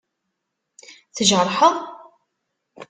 Tjerḥeḍ?